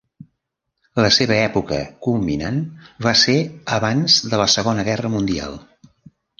La seva època culminant va ser abans de la Segona Guerra Mundial.